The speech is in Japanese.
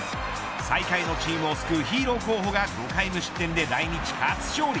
最下位のチームを救うヒーロー候補が５回無失点で来日初勝利。